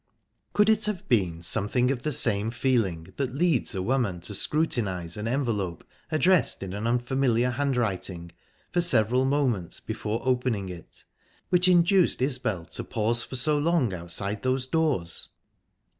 Could it have been something of the same feeling that leads a woman to scrutinise an envelope addressed in an unfamiliar handwriting for several moments before opening it, which induced Isbel to pause for so long outside those doors?